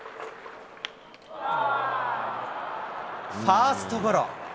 ファーストゴロ。